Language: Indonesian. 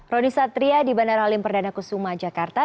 roni satria di bandara halim perdana kusuma jakarta